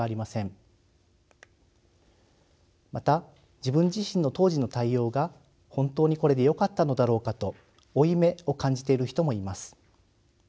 また自分自身の当時の対応が本当にこれでよかったのだろうかと負い目を感じている人もいます。